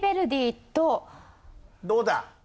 どうだ？